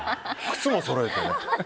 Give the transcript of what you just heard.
靴もそろえてね。